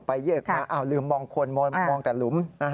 อ้าวลืมมองคนมองแต่หลุม